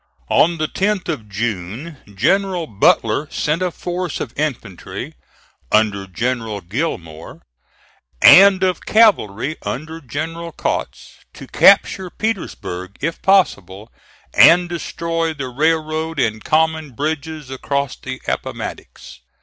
On the 10th of June, General Butler sent a force of infantry, under General Gillmore, and of cavalry under General Kautz, to capture Petersburg, if possible, and destroy the railroad and common bridges across the Appomattox.